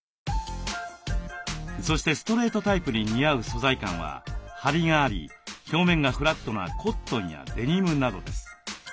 そしてストレートタイプに似合う素材感はハリがあり表面がフラットなコットンやデニムなどです。